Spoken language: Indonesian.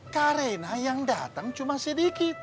karena yang datang cuma sedikit